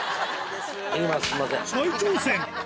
再挑戦。